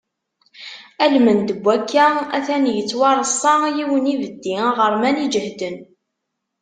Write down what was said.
Almend n wakka, atan yettwareṣṣa yiwen n yibeddi aɣerman iǧehden.